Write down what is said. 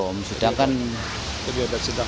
tadi ada sidang pagi